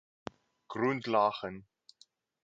Grundlagen.